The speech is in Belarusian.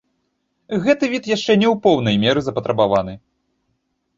Гэты від яшчэ не ў поўнай меры запатрабаваны.